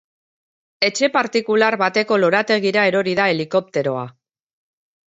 Etxe partikular bateko lorategira erori da helikopteroa.